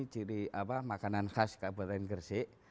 ciri makanan khas kabupaten gresik